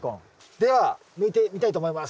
では抜いてみたいと思います。